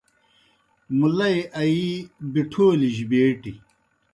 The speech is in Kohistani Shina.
مُلئی آیِی بِٹَھولیْ جیْ بیٹیْ۔